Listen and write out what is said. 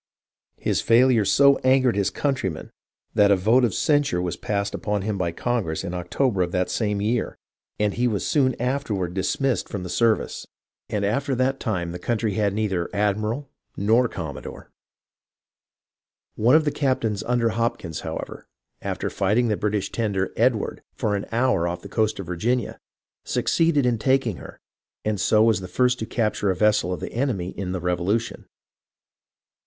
His failure so angered his countrymen that a " vote of censure " was passed upon him by Congress in October of that same year, and he was soon afterward dismissed from 387 388 HISTORY OF THE AMERICAN REVOLUTION the service ; and after that time the country had neither "admiral" nor "commodore." One of the captains under Hopkins, however, after fight ing the British tender, Edivard, for an hour off the coast of Virginia, succeeded in taking her, and so was the first to capture a vessel of the enemy in the Revolution.